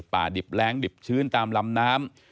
ดิบแรงดิบชื้นตามลำน้ำ